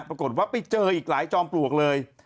ปรากฏว่าไปเจออีกหลายจอมปลวกเลย